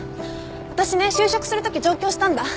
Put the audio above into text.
私ね就職するとき上京したんだ。